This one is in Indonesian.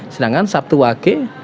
sedangkan sabtu wage